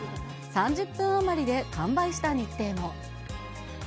３０分余りで完売した日程も。